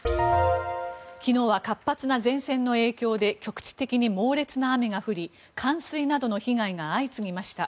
昨日は活発な前線の影響で局地的に猛烈な雨が降り冠水などの被害が相次ぎました。